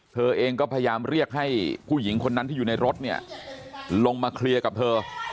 เธอเองก็พยายามเรียกให้ผู้หญิงคนนั้นที่อยู่ในรถเนี่ยลงมาเคลียร์กับเธอ